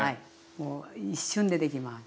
もう一瞬でできます。